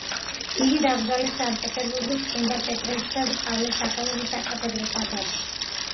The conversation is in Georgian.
იგი დაკრძალეს სანქტ-პეტერბურგის წმინდა პეტრესა და პავლეს სახელობის საკათედრო ტაძარში.